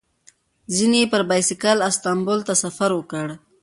ځینې یې پر بایسکل استانبول ته سفر وکړ.